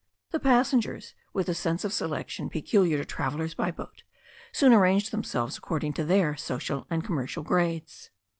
The passengers, with the sense of selection peculiar to travellers by boat, soon arranged themselves according to their social and commerdal ^ades.